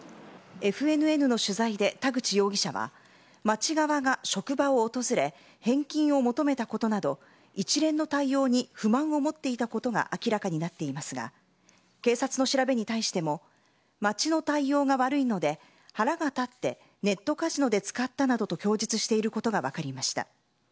ＦＮＮの取材で田口容疑者は町側が職場を訪れ返金を求めたことなど一連の対応に不満を持っていたことが明らかになっていますが警察の調べに対しても町の対応が悪いので腹が立ってネットカジノで使ったなどと供述していることが分かりました。